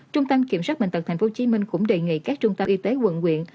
trung tâm kiểm soát bệnh tật tp hcm cũng đề nghị các trung tâm y tế quận quyện